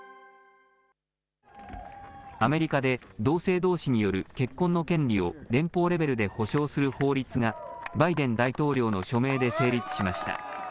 アメリカで同性どうしによる結婚の権利を連邦レベルで保障する法律が、バイデン大統領の署名で成立しました。